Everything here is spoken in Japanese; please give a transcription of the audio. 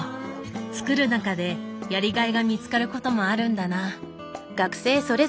作る中でやりがいが見つかることもあるんだな。